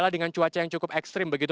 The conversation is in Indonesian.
baca yang cukup ekstrim begitu